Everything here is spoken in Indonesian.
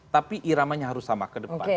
tapi iramanya harus sama ke depan